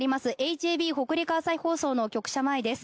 ＨＡＢ・北陸朝日放送の局舎前です。